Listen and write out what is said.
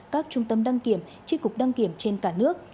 các trung tâm đăng kiểm tri cục đăng kiểm trên cả nước